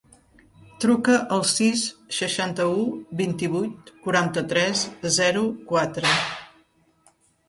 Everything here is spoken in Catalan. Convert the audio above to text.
Truca al sis, seixanta-u, vint-i-vuit, quaranta-tres, zero, quatre.